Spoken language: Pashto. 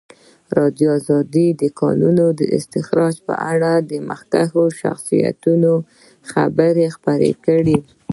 ازادي راډیو د د کانونو استخراج په اړه د مخکښو شخصیتونو خبرې خپرې کړي.